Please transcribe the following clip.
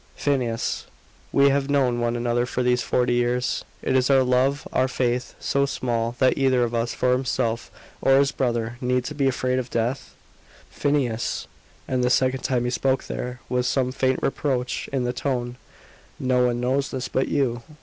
"Phineas, we have known one another these forty years. Is our love, our faith, so small, that either of us, for himself or his brother, need be afraid of death? " "Phineas!" and the second time he spoke there was some faint reproach in the tone; "no one knows this but you.